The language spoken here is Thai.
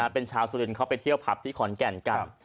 เป็นชาวสุรินทร์เขาไปเที่ยวผับที่ขอนแก่นกัน